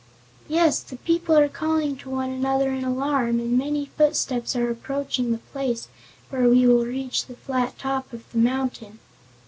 "Yes. The people are calling to one another in alarm and many footsteps are approaching the place where we will reach the flat top of the mountain."